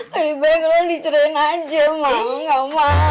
lebih baik orang dicerain aja emang nggak mau